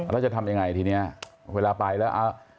แล้วจะทำยังไงทีนี้เวลาไปแล้ว